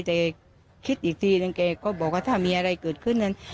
แต่คิดอีกทีนึงแกก็บอกว่าถ้ามีอะไรเกิดขึ้นนั้น